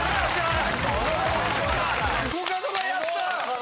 コカドがやった！